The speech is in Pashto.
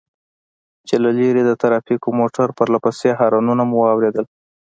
چې له لرې د ټرافيکو د موټر پرله پسې هارنونه مو واورېدل.